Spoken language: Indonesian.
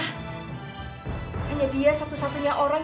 hanya dia satu satunya orang